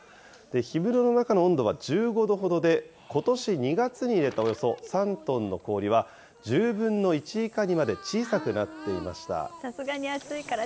氷室の中の温度は１５度ほどで、ことし２月に入れたおよそ３トンの氷は、１０分の１以下にまで小さすがに暑いから。